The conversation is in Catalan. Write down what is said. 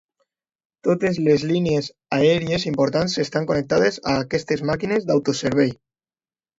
Totes les línies aèries importants estan connectades a aquestes màquines d'autoservei.